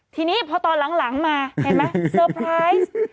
ทีนี้พอตอนหลังมาเห็นไหมเตอร์ไพรส์